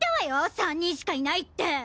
３人しかいないって。